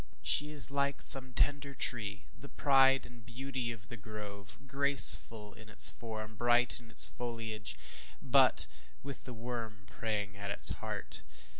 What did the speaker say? She is like some tender tree, the pride and beauty of the grove; graceful in its form, bright in its foliage, but with the worm preying at its heart.